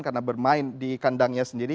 karena bermain di kandangnya sendiri